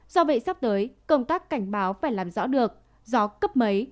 do vậy sắp tới công tác cảnh báo phải làm rõ được gió cấp mấy